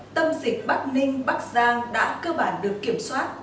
tâm dịch bắc ninh bắc giang đã cơ bản được kiểm soát